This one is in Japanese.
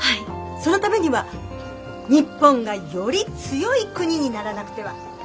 そのためには日本がより強い国にならなくては。